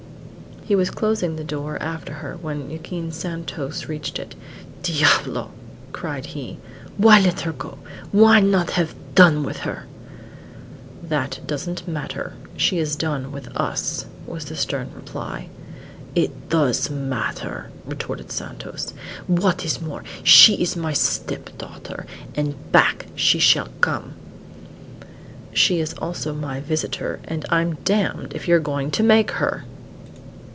He was closing the door after her when Joaquin Santos reached it. "Diablo!" cried he. "Why let her go? We have not done with her." "That doesn't matter; she is done with us," was the stern reply. "It does matter," retorted Santos; "what is more, she is my step daughter, and back she shall come!" "She is also my visitor, and I'm damned if you're going to make her!"